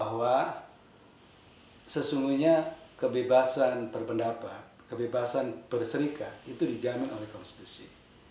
bahwa sesungguhnya kebebasan berpendapat kebebasan berserikat itu dijamin oleh konstitusi